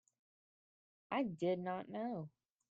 I did not know.